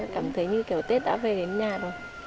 cảm thấy như kiểu tết đã về đến nhà rồi